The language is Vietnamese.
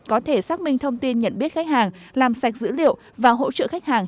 có thể xác minh thông tin nhận biết khách hàng làm sạch dữ liệu và hỗ trợ khách hàng